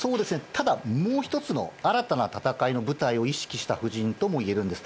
ただ、もう１つの新たな戦いの舞台を意識した布陣ともいえるんです。